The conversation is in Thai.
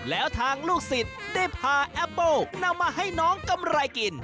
แล้วทางลูกศิษย์ได้พาแอปเปิ้ลนำมาให้น้องกำไรกิน